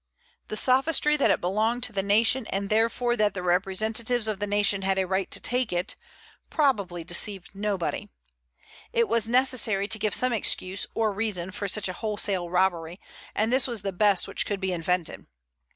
The sophistry that it belonged to the nation, and therefore that the representatives of the nation had a right to take it, probably deceived nobody. It was necessary to give some excuse or reason for such a wholesale robbery, and this was the best which could be invented.